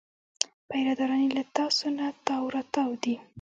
پیره داران یې له تاسونه تاو راتاو دي.